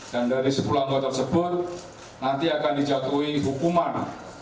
dan dari sepuluh anggota tersebut nanti akan dijatuhi hukuman